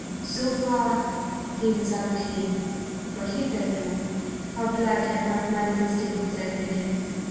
So far he was unclean; but hitherto her blood had not manifested itself in him.